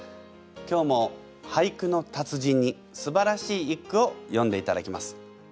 今日も俳句の達人にすばらしい一句を詠んでいただきます。